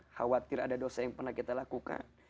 khawatir ada dosa yang pernah kita lakukan